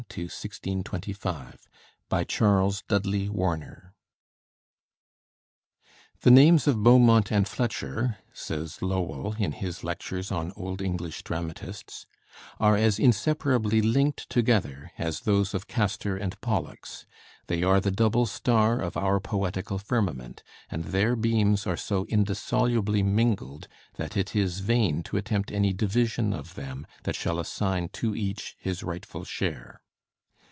FRANCIS BEAUMONT and JOHN FLETCHER (1584 1616) (1579 1625) "The names of Beaumont and Fletcher," says Lowell, in his lectures on 'Old English Dramatists,' "are as inseparably linked together as those of Castor and Pollux. They are the double star of our poetical firmament, and their beams are so indissolubly mingled that it is vain to attempt any division of them that shall assign to each his rightful share."